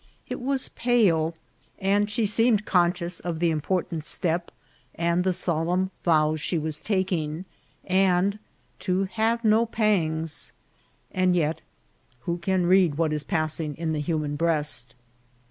It was pale, and she seemed conscious of the important step and the solemn tows she was taking, and to have no pangs ; and yet who can read what is passing in the human breast